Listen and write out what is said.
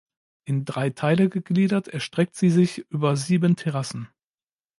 In drei Teile gegliedert erstreckt sie sich über sieben Terrassen.